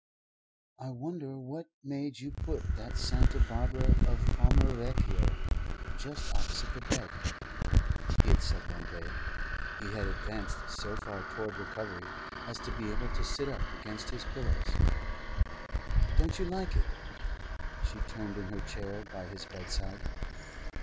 "I wonder what made you put that Santa Barbara of Palma Vecchio just opposite the bed," he said one day. He had advanced so far toward recovery as to be able to sit up against his pillows. "Don't you like it?" She turned in her chair by his bedside.